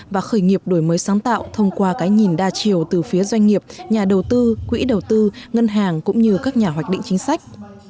và khởi nghiệp đổi mới sáng tạo thông qua cái nhìn đa chiều từ phía doanh nghiệp nhà đầu tư quỹ đầu tư ngân hàng cũng như các nhà hoạch định chính sách